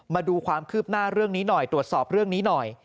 มาดูความคืบหน้าเรื่องนี้หน่อยตรวจสอบเรื่องนี้หน่อย